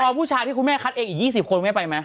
แล้วพอผู้ชายที่คุณแม่คัดเอกอีก๒๐คนคุณไม่ไปไหม